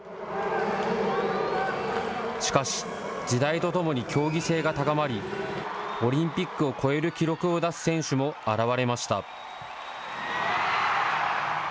しかし、時代とともに競技性が高まり、オリンピックを超える記録を出す選手も現れました。